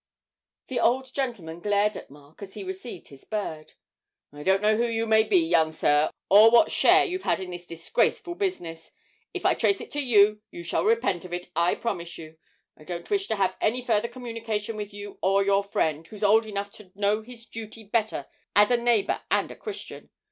The old gentleman glared at Mark as he received his bird: 'I don't know who you may be, young sir, or what share you've had in this disgraceful business. If I trace it to you, you shall repent of it, I promise you! I don't wish to have any further communication with you or your friend, who's old enough to know his duty better as a neighbour and a Christian.